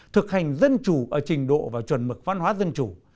thực hành dân chủ ở trình độ và chuẩn mực văn hóa dân chủ